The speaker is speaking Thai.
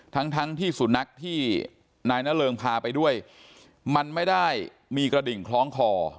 ทั้งทั้งที่สุนัขที่นายนเริงพาไปด้วยมันไม่ได้มีกระดิ่งคล้องคอ